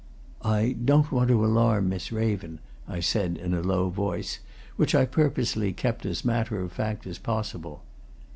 "I don't want to alarm Miss Raven," I said in a low voice, which I purposely kept as matter of fact as possible.